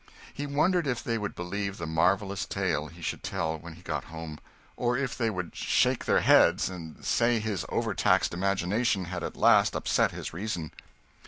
He wondered if they would believe the marvellous tale he should tell when he got home, or if they would shake their heads, and say his overtaxed imagination had at last upset his reason.